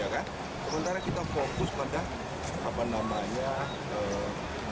sementara kita fokus pada apa namanya penyelamatan daripada korban